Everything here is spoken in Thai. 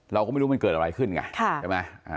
เราก็ไม่รู้มันเกิดอะไรขึ้นไงใช่ไหม